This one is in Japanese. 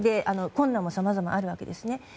困難もさまざまあるわけですね。